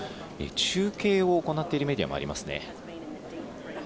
中継を行っているメディアもありますね。